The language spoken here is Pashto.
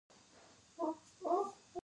دا په عامې او نه استثنا کېدونکې قاعدې بدلیږي.